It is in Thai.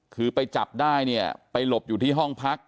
คือไปจับได้เนี่ยไปหลบอยู่ที่ห้องพัก